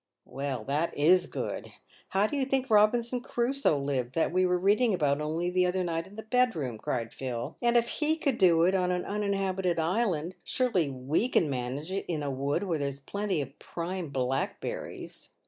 " Well, that is good ! How do you think Eobinson Crusoe lived, that we were reading about only the other night in the bedroom ?" cried Phil. " And if he could do it on an uninhabited island, surely we can manage it in a wood, where there's plenty of prime black berries.